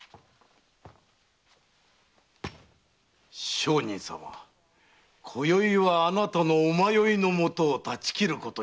上人様今宵はあなたの迷いのもとを断ち切ることにいたします。